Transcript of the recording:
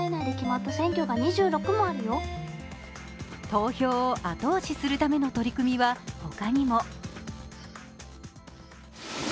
投票を後押しするための取り組みは他にも。